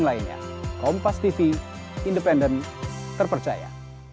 becek lah dua duanya